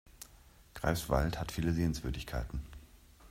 Greifswald hat viele Sehenswürdigkeiten